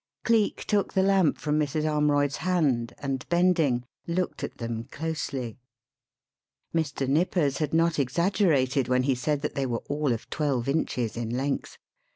Cleek took the lamp from Mrs. Armroyd's hand, and, bending, looked at them closely. Mr. Nippers had not exaggerated when he said that they were all of twelve inches in length.